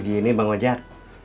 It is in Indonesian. gini bang wajar